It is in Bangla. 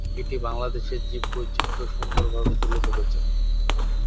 এটি বাংলাদেশের জীববৈচিত্র্য সুন্দরভাবে তুলে ধরেছে।